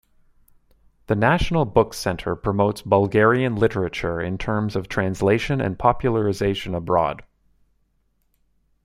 The National Book Centre promotes Bulgarian literature in terms of translation and popularization abroad.